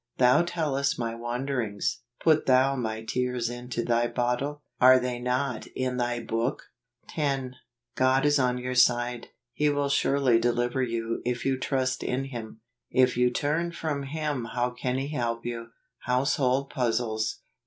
" Thou tellest my wanderings: put thou my tears into thy bottle: are they not in thy book ?" 10. God is on your side, He will surely deliver you if you trust in Him; if you turn from Him how can He help you ? Household Puzzles.